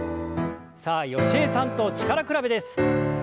さあ吉江さんと力比べです。